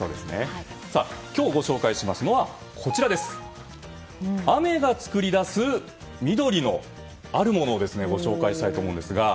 今日ご紹介しますのは雨が作り出す緑のあるものをご紹介したいと思います。